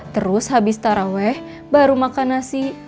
terus habis taraweh baru makan nasi